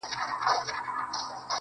چي جانان مري دى روغ رمټ دی لېونى نـه دی.